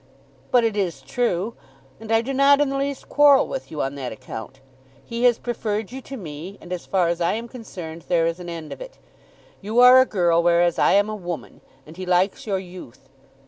"But it is true, and I do not in the least quarrel with you on that account. He has preferred you to me, and as far as I am concerned there is an end of it. You are a girl, whereas I am a woman, and he likes your youth.